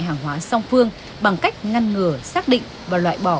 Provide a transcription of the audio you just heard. hàng hóa song phương bằng cách ngăn ngừa xác định và loại bỏ